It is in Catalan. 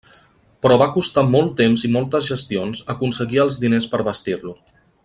Però va costar molt temps i moltes gestions aconseguir els diners per bastir-lo.